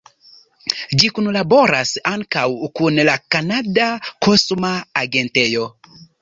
Ĝi kunlaboras ankaŭ kun la Kanada Kosma Agentejo.